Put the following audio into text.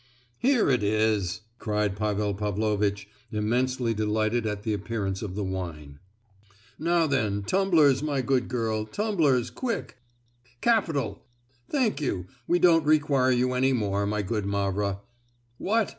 "Here it is!" cried Pavel Pavlovitch, immensely delighted at the appearance of the wine. "Now then, tumblers my good girl, tumblers quick! Capital! Thank you, we don't require you any more, my good Mavra. What!